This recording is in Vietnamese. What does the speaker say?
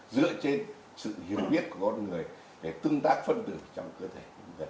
dựa trên sự hiểu biết của con người để tương tác phân tử trong cơ thể